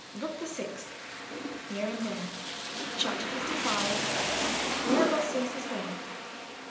BOOK THE SIXTH HERE AND THERE. CHAPTER LV. MIRABEL SEES HIS WAY.